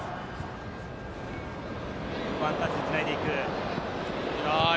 ワンタッチで繋いでいく。